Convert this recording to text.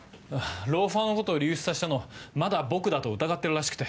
ローファーのことを流出させたのまだ僕だと疑ってるらしくて。